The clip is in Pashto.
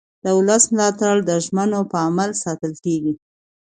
د ولس ملاتړ د ژمنو په عمل ساتل کېږي